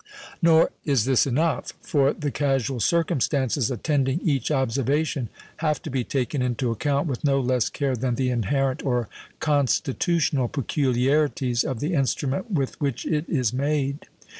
Nor is this enough; for the casual circumstances attending each observation have to be taken into account with no less care than the inherent or constitutional peculiarities of the instrument with which it is made.